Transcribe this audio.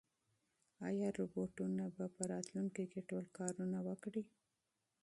ایا روبوټونه به په راتلونکي کې ټول کارونه وکړي؟